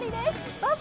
どうぞ。